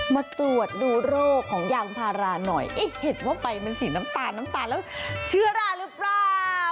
มาตรวจดูโรคของยางพาราหน่อยเอ๊ะเห็นว่าไปมันสีน้ำตาลน้ำตาลแล้วเชื้อราหรือเปล่า